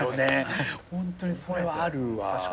ホントにそれはあるわ。